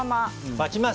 待ちます。